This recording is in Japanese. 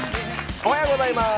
おはようございます。